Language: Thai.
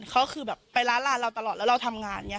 เขาก็คือแบบไปร้านร้านเราตลอดแล้วเราทำงานเนี้ย